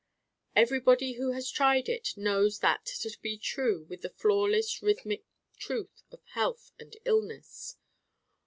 Everybody who has tried it knows that to be true with the flawless Rhythmic truth of health and illness.